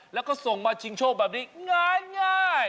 แล้วก็ส่งมาชิงโชคแบบนี้ง่าย